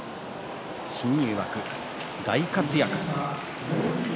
新入幕、大活躍。